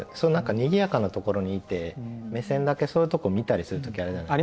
にぎやかなところにいて目線だけそういうとこ見たりする時あるじゃないですか。